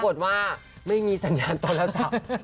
ว่าไม่มีสัญญาณโทรศัพท์